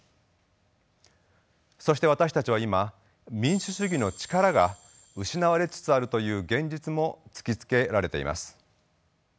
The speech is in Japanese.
そして私たちは今民主主義の力が失われつつあるという現実も突きつけられています。